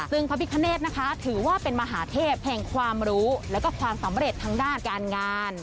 ซึ่งพระพิคเนธนะคะถือว่าเป็นมหาเทพแห่งความรู้แล้วก็ความสำเร็จทางด้านการงาน